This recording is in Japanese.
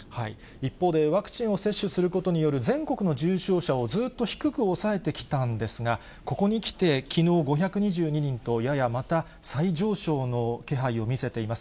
一方で、ワクチンを接種することによる全国の重症者をずーっと低く抑えてきたんですが、ここにきて、きのう５２２人と、ややまた再上昇の気配を見せています。